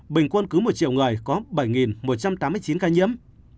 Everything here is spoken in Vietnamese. bình quân cứ một triệu người có bảy một trăm tám mươi chín ca nhiễm